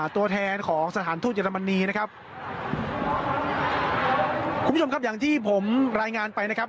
ตัวแทนของสถานทูตเยอรมนีนะครับคุณผู้ชมครับอย่างที่ผมรายงานไปนะครับ